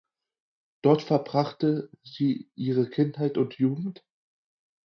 Dort verbrachte sie ihre Kindheit und Jugend.